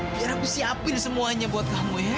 biar aku siapin semuanya buat kamu ya